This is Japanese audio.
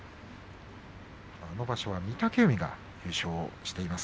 その場所は御嶽海が優勝しています。